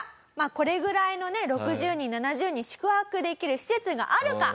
これぐらいのね６０人７０人宿泊できる施設があるか。